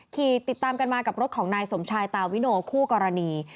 ขี่ติดตามกันมากับรถของนายสมชายตาวิโนคู่กรณี